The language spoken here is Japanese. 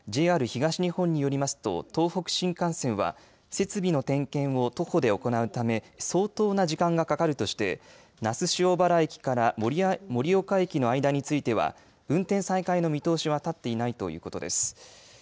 ＪＲ東日本によりますと東北新幹線は設備の点検を徒歩で行うため相当な時間がかかるとして那須塩原駅から盛岡駅の間については運転再開の見通しは立っていないということです。